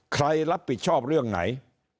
ใครรับผิดชอบเรื่องไหน